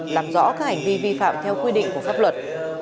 làm rõ các hành vi vi phạm theo quy định của pháp luật